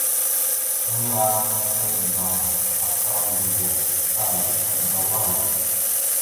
Kaŋgarəkaləba aka ŋgədo, akkal, maɗəba wal.